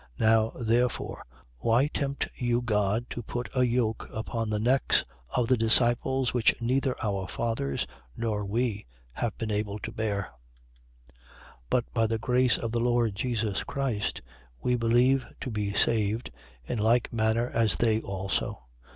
15:10. Now therefore, why tempt you God to put a yoke upon the necks of the disciples which neither our fathers nor we have been able to bear? 15:11. But by the grace of the Lord Jesus Christ, we believe to be saved, in like manner as they also.